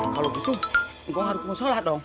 kalau gitu engkau harus musolah dong